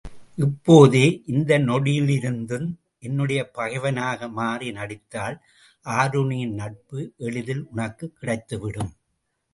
இப்போதே இந்த நொடியிலிருந்து நீ என்னுடைய பகைவனாக மாறி நடித்தால், ஆருணியின் நட்பு எளிதில் உனக்குக் கிடைத்துவிடும்.